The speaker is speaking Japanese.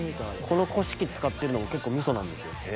このこし器使ってるのも結構みそなんですよ。